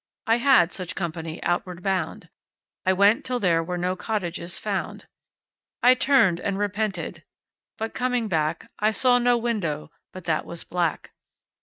I had such company outward bound. I went till there were no cottages found. I turned and repented, but coming back I saw no window but that was black.